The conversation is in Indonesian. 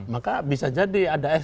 maka bisa jadi ada